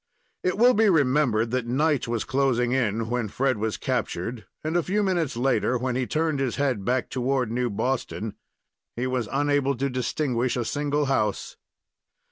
It will be remembered that night was closing in when Fred was captured and a few minutes later, when he turned his head back toward New Boston, he was unable to distinguish a single house.